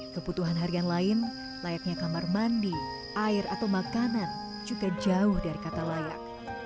kebutuhan harian lain layaknya kamar mandi air atau makanan juga jauh dari kata layak